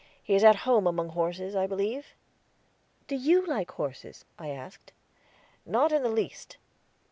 He is at home among horses, I believe." "Do you like horses?" I asked. "Not in the least."